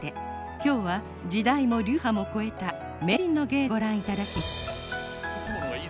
今日は時代も流派も超えた名人の芸でご覧いただきます。